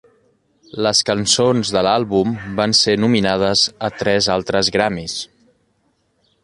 Les cançons de l'àlbum van ser nominades a tres altres Grammys.